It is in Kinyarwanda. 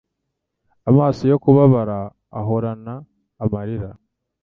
Amaso yo kubabara ahorana amarira